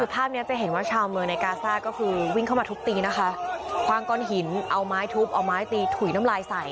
ภาพเนี้ยจะเห็นว่าชาวเมืองในกาซ่าก็คือวิ่งเข้ามาทุบตีนะคะคว่างก้อนหินเอาไม้ทุบเอาไม้ตีถุยน้ำลายใส่